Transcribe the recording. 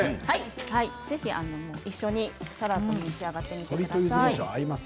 ぜひ一緒にサラダも召し上がってください。